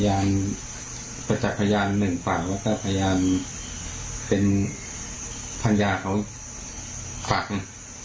พยานประจักษ์พยานหนึ่งภาคแล้วก็พยานเป็นภัญญาเขาภาคนะ